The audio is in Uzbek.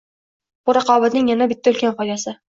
Bu – raqobatning yana bitta ulkan foydasi.